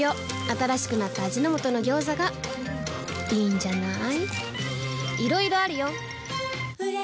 新しくなった味の素の「ギョーザ」がいいんじゃない？